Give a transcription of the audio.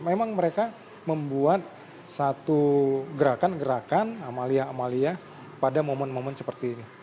memang mereka membuat satu gerakan gerakan amalia amalia pada momen momen seperti ini